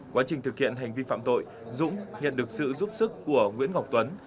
quá trình thực hiện hành vi phạm tội dũng nhận được sự giúp sức của nguyễn ngọc tuấn